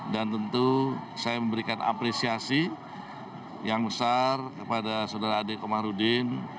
dan tentu saya memberikan apresiasi yang besar kepada saudara adik omarudin